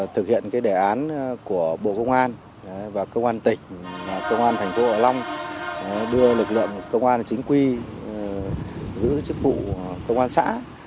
thực hiện đề án của bộ công an và công an tỉnh công an thành phố hạ long đưa lực lượng công an chính quy giữ chức vụ công an xã